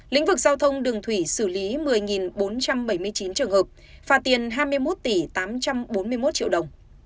lĩnh vực giao thông đường thủy xử lý một mươi bốn trăm bảy mươi chín trường hợp phạt tiền hai mươi một tỷ tám trăm bốn mươi một triệu đồng